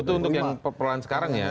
itu untuk yang perlahan sekarang ya